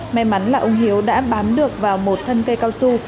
may mắn là ông hiếu đã bám được vào một thân cây cao su